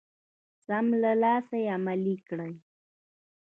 سم له لاسه يې عملي کړئ.